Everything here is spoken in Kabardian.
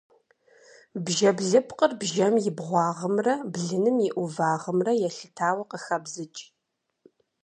Бжэблыпкъыр бжэм и бгъуагъымрэ блыным и ӏувагъымрэ елъытауэ къыхабзыкӏ.